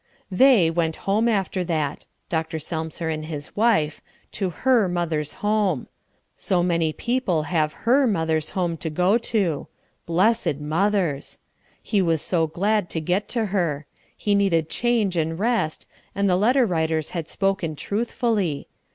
They went home after that Dr. Selmser and his wife to her mother's home. So many people have her mother's home to go to. Blessed mothers! He was so glad to get to her. He needed change and rest, and the letter writers had spoken truthfully.